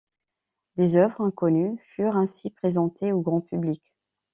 Des œuvres inconnues furent ainsi présentées au grand public.